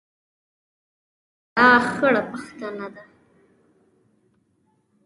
سارا خړه پښتنه ده.